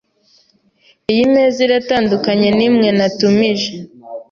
Iyi meza iratandukanye nimwe natumije .